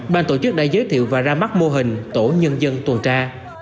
ban tổ chức đã giới thiệu và ra mắt mô hình tổ nhân dân tuần tra